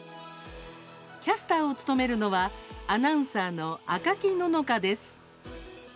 キャスターを務めるのはアナウンサーの赤木野々花です。